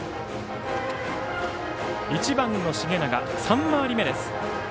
１番の繁永、３回り目です。